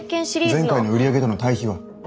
前回の売り上げとの対比は？